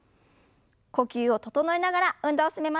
呼吸を整えながら運動を進めましょう。